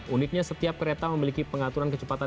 uniknya setiap kereta memiliki pengaturan kecepatan